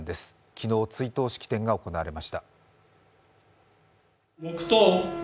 昨日、追悼式典が行われました。